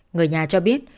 người nhà cho biết